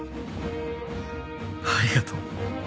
ありがとう。